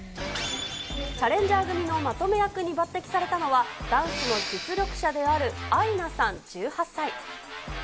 チャレンジャー組のまとめ役に抜てきされたのは、ダンスの実力者であるアイナさん１８歳。